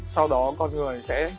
sau đó con người sẽ